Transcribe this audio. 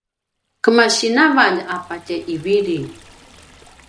kemasi navalj a patje i viri